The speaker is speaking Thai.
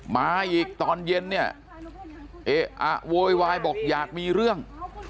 มาอีกตอนเย็นเนี่ยเอ๊ะอะโวยวายบอกอยากมีเรื่อง